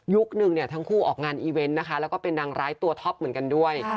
หนึ่งเนี่ยทั้งคู่ออกงานอีเวนต์นะคะแล้วก็เป็นนางร้ายตัวท็อปเหมือนกันด้วย